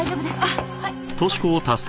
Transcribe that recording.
あっはい。